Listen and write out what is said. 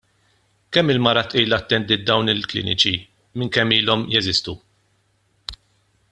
Kemm-il mara tqila attendiet dawn il-kliniċi minn kemm ilhom jeżistu?